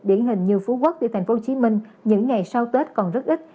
điển hình như phú quốc như tp hcm những ngày sau tết còn rất ít